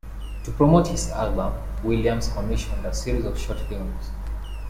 To promote his album, Williams commissioned a series of short films.